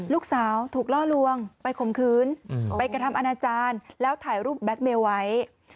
ลูกสาวถูกล่อลวงไปข่มขืนไปกระทำอนาจารย์แล้วถ่ายรูปแล็คเมลไว้